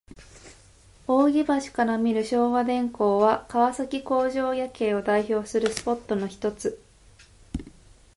扇橋から見る昭和電工は、川崎工場夜景を代表するスポットのひとつ。